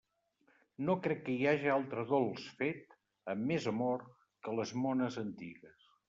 No crec que hi haja altre dolç fet amb més amor que les mones antigues.